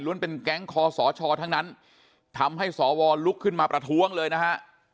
เป็นแก๊งคอสชทั้งนั้นทำให้สวลุกขึ้นมาประท้วงเลยนะฮะ